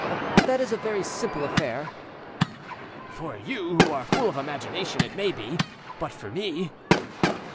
"—"That is a very simple affair." "For you, who are full of imagination, it may be, but for me?"